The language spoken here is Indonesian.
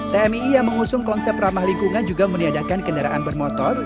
tmii yang mengusung konsep ramah lingkungan juga meniadakan kendaraan bermotor